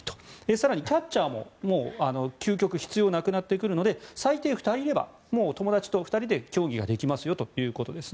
更にキャッチャーも究極、必要なくなってくるので最低２人いればもう友達と２人で競技ができますよということです。